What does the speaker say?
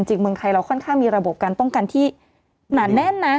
เมืองไทยเราค่อนข้างมีระบบการป้องกันที่หนาแน่นนะ